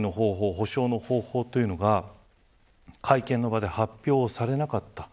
補償の方法というのが会見の場で発表されなかった。